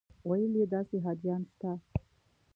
ویل یې داسې حاجیان شته.